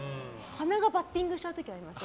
鼻がバッティングしちゃう時ありません？